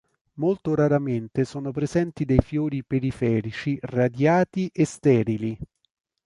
Molto raramente sono presenti dei fiori periferici radiati e sterili.